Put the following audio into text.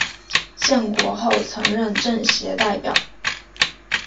建国后曾任政协代表。